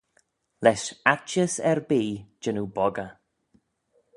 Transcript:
Lesh aittys erbee jannoo boggey.